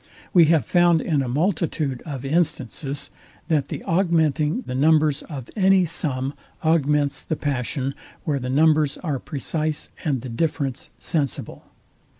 We have found in a multitude of instances, that the augmenting the numbers of any sum augments the passion, where the numbers are precise and the difference sensible.